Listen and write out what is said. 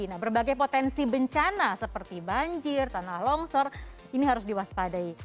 nah berbagai potensi bencana seperti banjir tanah longsor ini harus diwaspadai